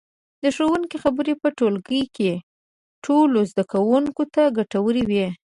د ښوونکي خبرې په ټولګي کې ټولو زده کوونکو ته ګټورې وي.